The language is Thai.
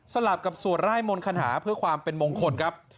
ลับกับสวดร่ายมนต์คณหาเพื่อความเป็นมงคลครับ